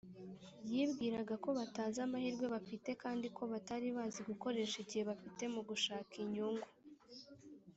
yibwiraga ko batazi amahirwe bafite, kandi ko batari bazi gukoresha igihe bafite mu gushaka inyungu